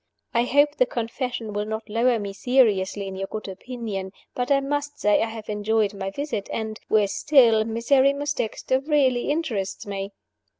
I hope the confession will not lower me seriously in your good opinion; but I must say I have enjoyed my visit, and, worse still, Miserrimus Dexter really interests me."